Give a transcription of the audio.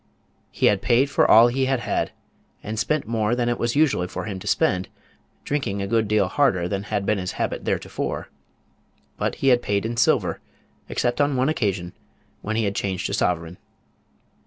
He had paid for all he had had, and spent more than it was usual for him to spend, drinking a good deal harder than had been his habit theretofore; but he had paid in silver, except on one occasion, when he had changed a sovereign.